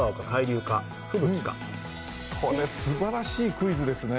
これすばらしいクイズですね。